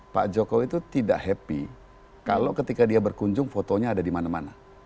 pak jokowi itu tidak happy kalau ketika dia berkunjung fotonya ada di mana mana